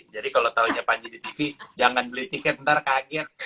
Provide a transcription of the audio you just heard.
jadi kalau tahunya panji di tv jangan beli tiket nanti kaget